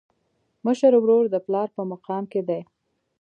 مشر ورور د پلار په مقام کي دی.